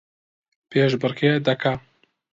پێشبڕکێ دەکا